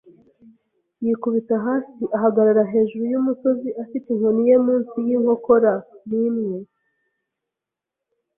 Yikubita hasi, ahagarara hejuru y'umusozi afite inkoni ye munsi y'inkokora n'imwe